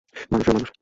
মানুষ আর মানুষ।